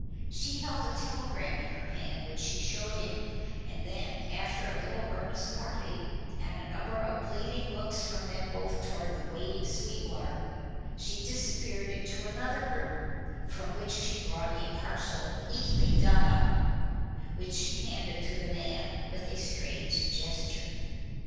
She held a telegram in her hand which she showed him, and then after a little earnest parley and a number of pleading looks from them both toward the waiting Sweetwater, she disappeared into another room, from which she brought a parcel neatly done up, which she handed to the man with a strange gesture.